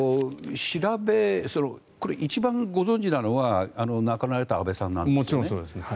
一番ご存じなのは亡くなられた安倍さんなんですね。